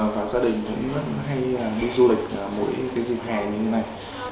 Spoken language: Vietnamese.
và gia đình cũng rất hay đi du lịch mỗi dịp hè như thế này